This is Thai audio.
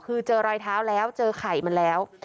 คือเจอรอยเท้าแล้วเจอไข่มันแล้ว